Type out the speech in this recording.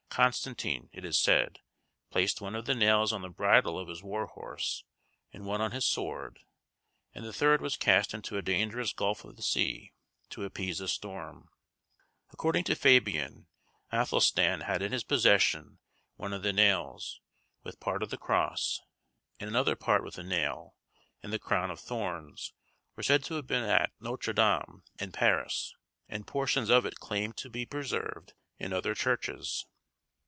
Constantine, it is said, placed one of the nails on the bridle of his war horse, and one on his sword, and the third was cast into a dangerous gulf of the sea, to appease a storm. According to Fabian, Athelstan had in his possession one of the nails, with part of the cross; and another part with a nail; and the crown of thorns, were said to have been at Nôtre Dame, in Paris; and portions of it claimed to be preserved in other churches.